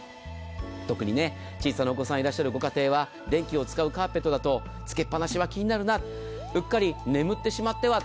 特に小さなお子さんがいらっしゃるご家庭は電気を使うカーペットだとつけっぱなしは気になるなうっかり眠ってしまっては。